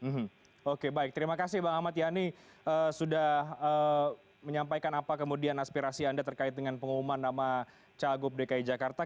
hmm oke baik terima kasih bang ahmad yani sudah menyampaikan apa kemudian aspirasi anda terkait dengan pengumuman nama cagup dki jakarta